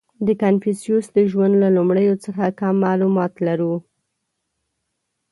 • د کنفوسیوس د ژوند له لومړیو څخه کم معلومات لرو.